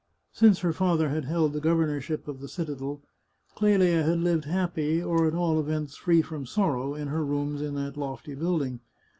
Since her father had held the governorship of the citadel, Clelia had lived happy, or, at all events, free from sorrow, in her rooms in that lofty building.